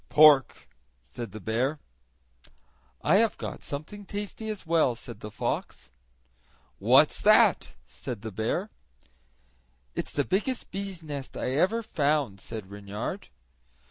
"Pork," said the bear. "I have got something tasty as well," said the fox. "What's that?" said the bear. "It's the biggest bees' nest I ever found," said Reynard.